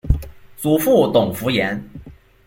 祖父董孚言。